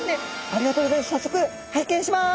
ありがとうございます。